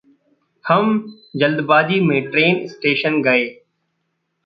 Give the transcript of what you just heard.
हम जल्दबाज़ी में ट्रेन स्टेशन गए।